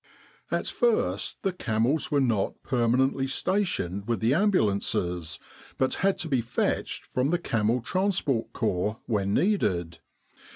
At first the camels were not permanently stationed with the Ambulances, but had to be fetched from the Camel Transport Corps when needed.